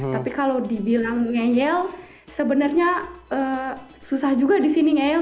tapi kalau dibilang ngeyel sebenarnya susah juga di sini ngeyel